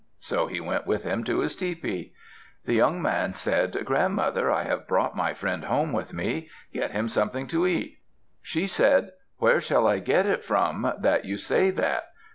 So he went with him to his tepee. The young man said, "Grandmother, I have brought my friend home with me; get him something to eat." She said, "Where shall I get it from, that you say that?"